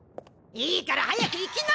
いいから早く行きな！